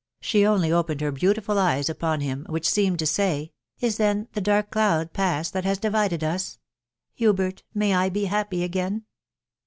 she only opened her beautiful eyes upon him, which seemed to say, tf U then the dark cloud past that has divided us ?•... Hnbertl may I be happy again?"